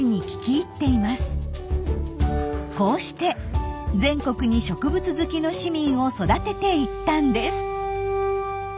こうして全国に植物好きの市民を育てていったんです。